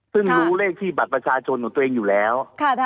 ซึ่งรู้เลขที่บัตรประชาชนของตัวเองอยู่แล้ว